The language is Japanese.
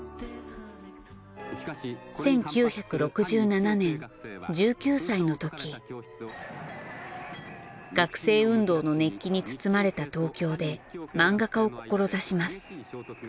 １９６７年１９歳のとき学生運動の熱気に包まれた東京で漫画家を志します。